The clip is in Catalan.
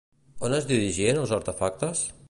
On es dirigien els artefactes?